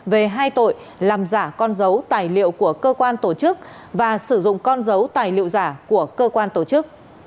về hai tội làm giả con dấu tài liệu của cơ quan tổ chức và sử dụng con dấu tài liệu giả của cơ quan tổ chức